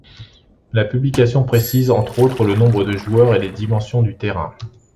La publication précise entre autres le nombre de joueurs et les dimensions du terrain.